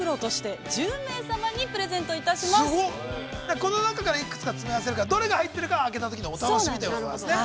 この中から幾つか詰め合わせるから、どれが入ってるかは開けたときのお楽しみということでございますね。